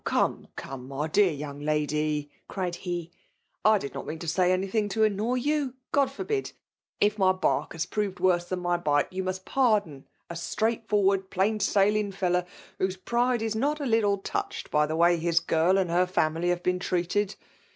'*' Come> come, my dear youngp lady," cried he, '' I did not mean to say anydiing to aiinoy you ; Grod forbid ! If my bark has prored ^^orse than my bite, you must pardon a straight*for ward, plain sailing fellow, whose pride is not k little touched by the way his girl and her Ikmily have been treated.